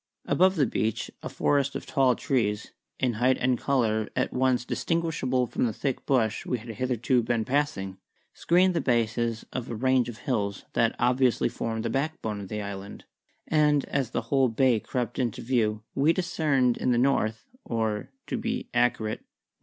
Above the beach a forest of tall trees, in height and colour at once distinguishable from the thick bush we had hitherto been passing, screened the bases of a range of hills which obviously formed the backbone of the island; and as the whole bay crept into view we discerned in the north (or, to be accurate, N.N.